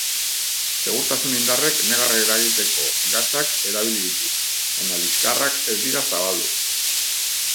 Segurtasun indarrek negar eragiteko gasak erabili ditu, baina liskarrak ez dira zabaldu.